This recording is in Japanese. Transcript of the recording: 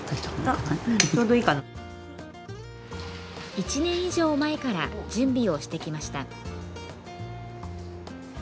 １年以上前から準備をしてきました。